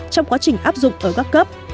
trong quá trình áp dụng ở các cấp